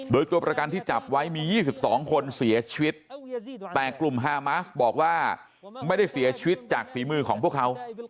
โดยตัวประกันที่จับไว้มี๒๒คนเสียชีวิตแต่กลุ่มฮามาสบอกว่าไม่ได้เสียชีวิตจากฝีมือของพวกเขา